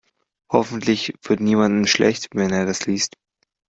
Hoffentlich wird niemandem schlecht, wenn er das liest.